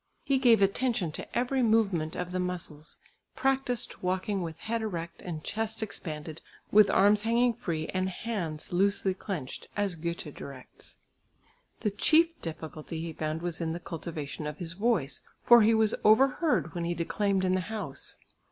He gave attention to every movement of the muscles; practised walking with head erect and chest expanded, with arms hanging free and hands loosely clenched, as Goethe directs. The chief difficulty he found was in the cultivation of his voice, for he was overheard when he declaimed in the house.